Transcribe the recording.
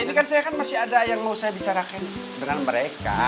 ini kan saya masih ada yang mau saya bisa raket dengan mereka